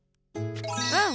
うん。